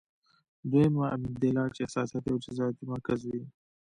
دويمه امېګډېلا چې احساساتي او جذباتي مرکز وي -